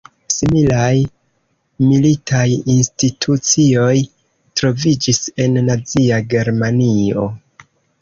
Similaj militaj institucioj troviĝis en nazia Germanio.